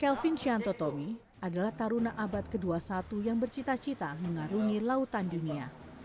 kelvin shantotowi adalah taruna abad ke dua puluh satu yang bercita cita mengarungi lautan dunia